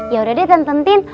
yaudah deh tenten tin